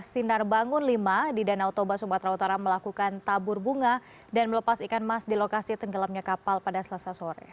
sinar bangun v di danau toba sumatera utara melakukan tabur bunga dan melepas ikan emas di lokasi tenggelamnya kapal pada selasa sore